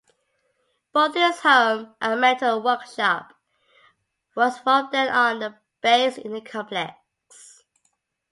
Both his home and metal workshop was from then on based in the complex.